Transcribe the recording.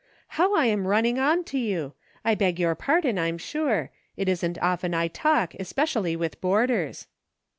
How I am running on to you ! I beg your pardon, I'm sure. It isn't often I talk, espe cially with the boarders."